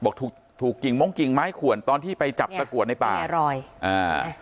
บอกถูกถูกกิ่งมงกิ่งไม้ขวนตอนที่ไปจับตะกรวดในป่ามีรอยอ่า